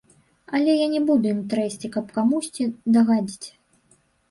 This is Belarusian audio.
Але я не буду ім трэсці, каб камусьці дагадзіць.